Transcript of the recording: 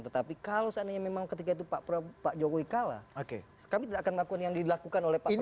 tetapi kalau seandainya memang ketika itu pak jokowi kalah kami tidak akan melakukan yang dilakukan oleh pak prabowo